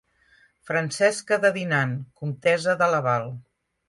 Francesca de Dinan, comtessa de Laval.